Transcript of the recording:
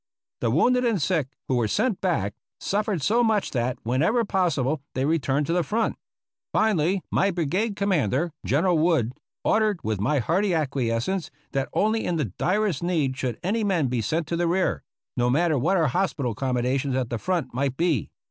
The wounded and sick who were sent back suffered so much that, whenever possible, they re turned to the front. Finally my brigade commander. General Wood, ordered, with my hearty acquiescence, that only in the direst need should any men be sent to the rear — no matter what our hospital accommodations at the front might be.